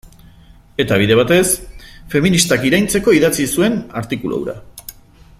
Eta bide batez, feministak iraintzeko idatzi zuen artikulu hura.